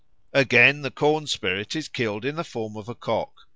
Again, the corn spirit is killed in the form of a cock.